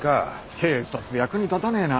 警察役に立たねえな。